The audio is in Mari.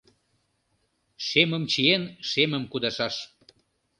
Шемым чиен, шемым кудашаш: